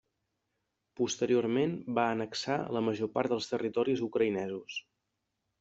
Posteriorment va annexar la major part dels territoris ucraïnesos.